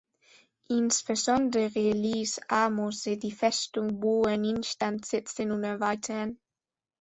Insbesondere ließ Ahmose die Festung Buhen instand setzen und erweitern.